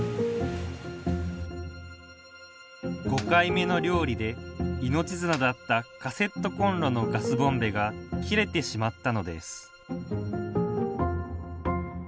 ５回目の料理で命綱だったカセットコンロのガスボンベが切れてしまったのです。